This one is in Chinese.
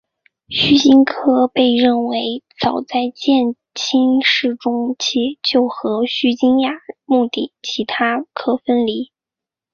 须鲸科被认为早在渐新世中期就和须鲸亚目的其他科分离。